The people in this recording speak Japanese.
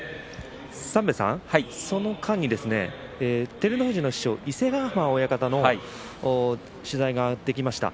その間に照ノ富士の師匠伊勢ヶ濱親方の取材ができました。